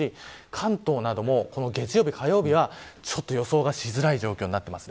関東なども、月曜日、火曜日は予想がしづらい状態です。